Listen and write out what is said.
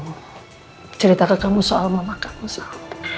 tante mau ceritakan kamu soal mama kamu sal